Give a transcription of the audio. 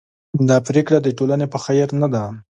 دا پرېکړه د ټولنې په خیر نه ده.